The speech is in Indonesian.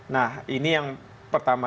nah ini yang pertama